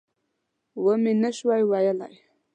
ومې نه شوای ویلای.